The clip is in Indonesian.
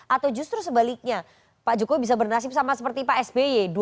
atau justru sebaliknya pak jokowi bisa bernasib sama seperti pak sby